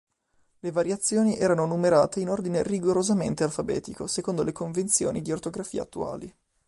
Le variazioni erano numerate in ordine rigorosamente alfabetico secondo le convenzioni di ortografia attuali.